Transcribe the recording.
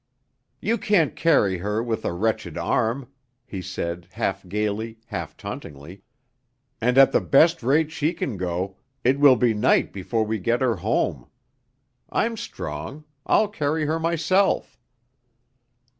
"You can't carry her with a wrenched arm," he said, half gayly, half tauntingly, "and at the best rate she can go, it will be night before we get her home. I'm strong. I'll carry her myself."